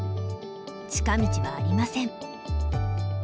近道はありません。